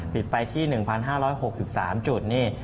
ปิดไปที่๑๕๖๓จุดนี่